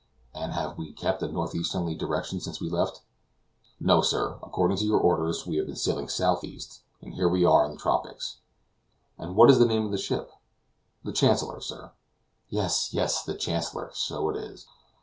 And have we kept a northeasterly direction since we left?" "No, sir, according to your orders we have been sailing southeast, and here we are in the tropics." "And what is the name of the ship?" "The Chancellor, sir." "Yes, yes, the Chancellor, so it is.